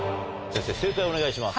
先生、正解お願いします。